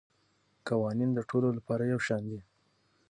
قوانین د ټولو لپاره یو شان دي.